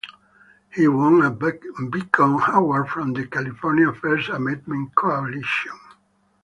He won a Beacon Award from the California First Amendment Coalition.